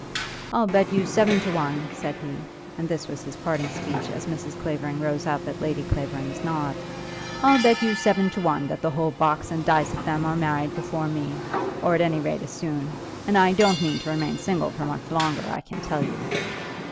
"I'll bet you seven to one," said he, and this was his parting speech as Mrs. Clavering rose up at Lady Clavering's nod, "I'll bet you seven to one, that the whole box and dice of them are married before me, or at any rate as soon; and I don't mean to remain single much longer, I can tell you."